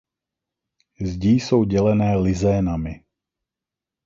Zdi jsou dělené lizénami.